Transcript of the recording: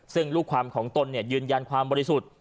ซึ่งลูกความของตนยืนยันความบริสุทธิ์